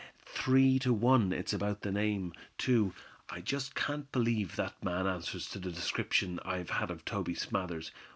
Three to one it's about that name, too. I just can't believe that man answers to the description I've had of Toby Smathers.